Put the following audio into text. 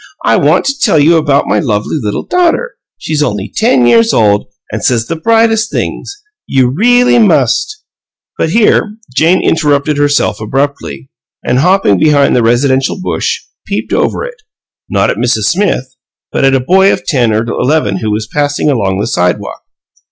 I want to tell you about my lovely little daughter. She's only ten years old, an' says the brightest THINGS! You really must " But here Jane interrupted herself abruptly, and, hopping behind the residential bush, peeped over it, not at Mrs. Smith, but at a boy of ten or eleven who was passing along the sidewalk.